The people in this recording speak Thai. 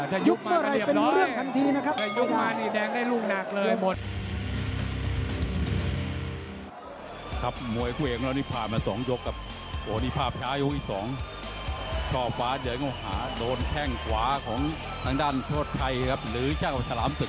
ถ้ายุบมานี่แดงได้ลูกหนักเลย